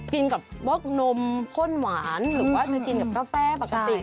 กินกับพวกนมข้นหวานหรือว่าจะกินกับกาแฟปกติ